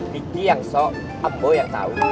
nanti yang so ente yang tau